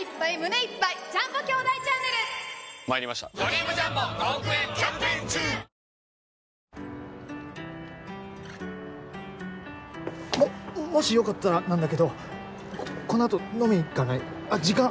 年もうそだよ。ももしよかったらなんだけどこのあと飲み行かない？あっ時間ある？